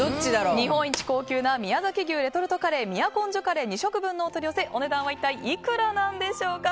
日本一高級な宮崎牛レトルトカレー都城華礼２食分のお取り寄せお値段は一体いくらなんでしょうか。